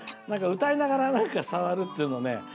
何か歌いながら触るっていうのね